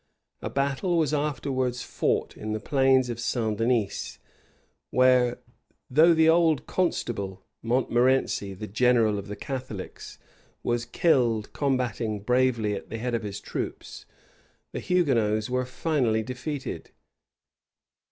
A battle was afterwards fought in the plains of St. Denis; where, though the old constable, Montmorency, the general of the Catholics, was killed combating bravely at the head of his troops, the Hugonots were finally defeated.